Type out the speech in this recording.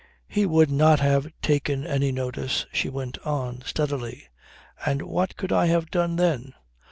"He would not have taken any notice," she went on steadily. "And what could I have done then?